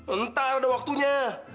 entar ada waktunya